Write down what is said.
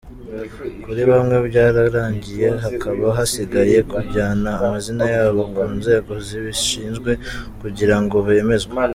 Kuri bamwe byararangiye, hakaba hasigaye kujyana amazina yabo ku nzego zibishinzwe kugirango bemezwe.